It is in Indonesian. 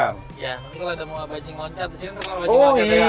iya nanti kalau ada mau bajing loncat di sini